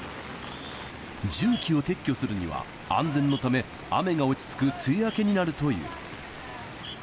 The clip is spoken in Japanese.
重機を撤去するには、安全のため、雨が落ち着く梅雨明けになるという。